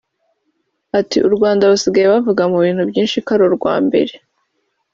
Ati “U Rwanda basigaye bavuga mu bintu byinshi ko ari urwa mbere